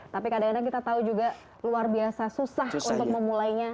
tapi kadang kadang kita tahu juga luar biasa susah untuk memulainya